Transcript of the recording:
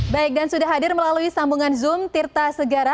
baik dan sudah hadir melalui sambungan zoom tirta segara